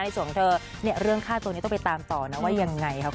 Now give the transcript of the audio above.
ส่วนของเธอเนี่ยเรื่องฆ่าตัวนี้ต้องไปตามต่อนะว่ายังไงครับ